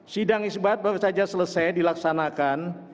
sidang isbat baru saja selesai dilaksanakan